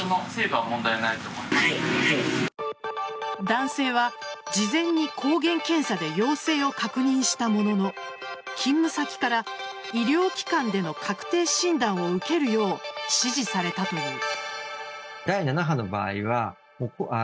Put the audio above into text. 男性は事前に抗原検査で陽性を確認したものの勤務先から、医療機関での確定診断を受けるよう指示されたという。